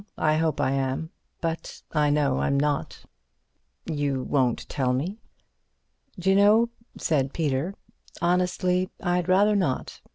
I hope I am, but I know I'm not." "You won't tell me?" "D'you know," said Peter, "honestly I'd rather not.